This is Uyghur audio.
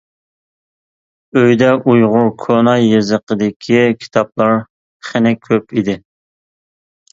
ئۆيدە ئۇيغۇر كونا يېزىقىدىكى كىتابلار خېنە كۆپ ئىدى.